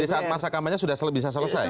jadi saat masa kampanye sudah bisa selesai